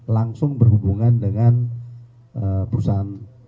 langsung berhubungan dengan perusahaan transportasi tersebut